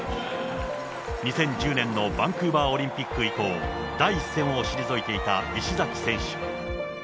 ２０１０年のバンクーバーオリンピック以降、第一線を退いた石崎選手。